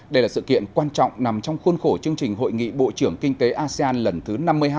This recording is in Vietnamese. đây là sự kiện quan trọng nằm trong khuôn khổ chương trình hội nghị bộ trưởng kinh tế asean lần thứ năm mươi hai